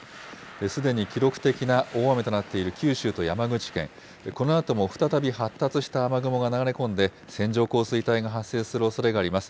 すでに記録的な大雨となっている九州と山口県、このあとも再び発達した雨雲が流れ込んで、線状降水帯が発生するおそれがあります。